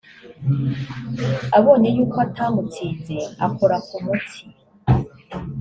abonye yuko atamutsinze akora ku mutsi